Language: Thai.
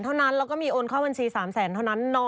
๓๐๐๐๐๐เท่านั้นแล้วก็มีโอนข้าวบัญชี๓๐๐๐๐๐เท่านั้น